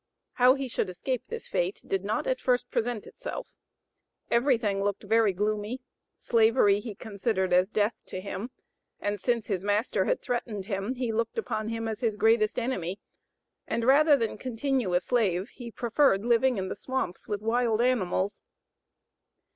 How he should escape this fate did not at first present itself. Every thing looked very gloomy; Slavery he considered as death to him; and since his master had threatened him, he looked upon him as his greatest enemy, and rather than continue a slave he preferred living in the swamps with wild animals.